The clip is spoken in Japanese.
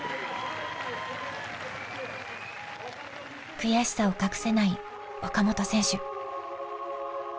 悔しさを隠せない岡本選手。